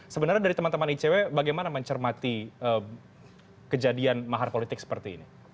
sebenarnya dari teman teman icw bagaimana mencermati kejadian mahar politik seperti ini